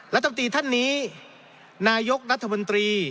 รัฐบาลชุดนี้นายกรัฐมนตรี